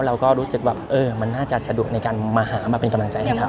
เราก็รู้สึกว่ามันน่าจะสะดวกในการมาหามาเป็นกำลังใจให้เขา